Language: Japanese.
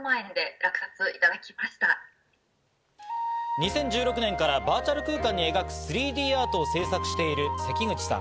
２０１６年からバーチャル空間に描く３Ｄアートを制作しているせきぐちさん。